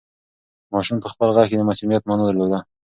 ماشوم په خپل غږ کې د معصومیت مانا درلوده.